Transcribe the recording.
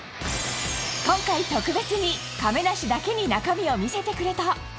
今回、特別に亀梨だけに中身を見せてくれた。